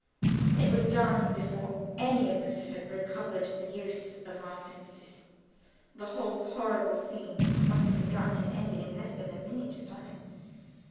It was done before any of us had recovered the use of our senses. The whole horrible scene must have begun and ended in less than half a minute of time.